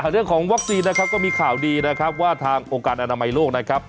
เรื่องของวัคซีนนะครับก็มีข่าวดีนะครับว่าทางองค์การอนามัยโลกนะครับ